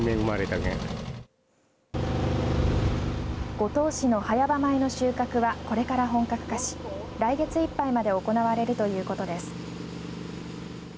五島市の早場米の収穫はこれから本格化し来月いっぱいまで行われるということです。